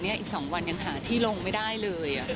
อีก๒วันยังหาที่ลงไม่ได้เลย